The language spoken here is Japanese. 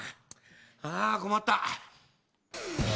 あ困った！